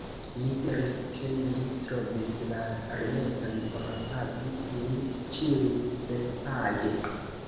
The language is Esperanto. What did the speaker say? Mi diris, ke mi trovis la rimedon por savi nin ĉiujn senpage.